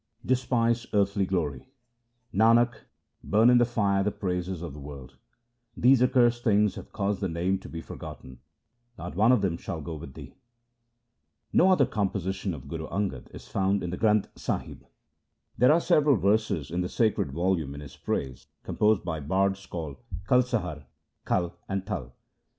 Despise earthly glory :— Nanak, burn in the fire the praises of the world ; These accursed things have caused the Name to be for gotten ; not one of them shall go with thee. No other composition of Guru Angad is found in the Granth Sahib. There are several verses in the sacred volume in his praise, composed by bards called Kalsahar, Kal, and Tal.